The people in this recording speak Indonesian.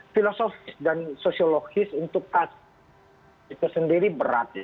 filosofis dan sosiologis untuk kasus itu sendiri berat ya